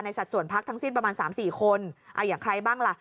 ในสัดส่วนพักทั้งสิ้นประมาณสามสี่คนอ่ะอย่างใครบ้างล่ะ